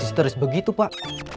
histeris begitu pak